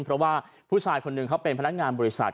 เพราะว่าผู้ชายคนหนึ่งเขาเป็นพนักงานบริษัท